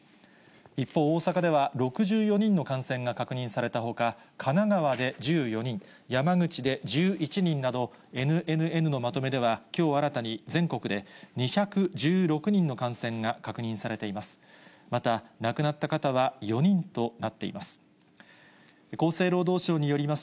一方、大阪では６４人の感染が確認されたほか、神奈川で１４人、山口で１１人など、ＮＮＮのまとめでは、きょう新たに全国で２１６人の感染が確認されています。